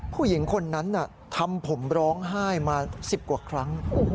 ผู้หญิงคนนั้นทำผมร้องไห้มา๑๐กว่าครั้ง